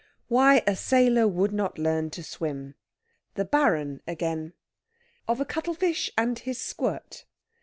WHY A SAILOR WOULD NOT LEARN TO SWIM. THE BARON AGAIN. OF A CUTTLE FISH AND HIS SQUIRT.